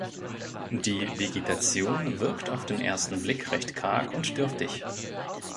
Die Vegetation wirkt auf den ersten Blick recht karg und dürftig.